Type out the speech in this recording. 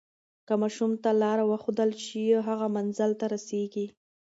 که ماشوم ته لاره وښودل شي، هغه منزل ته رسیږي.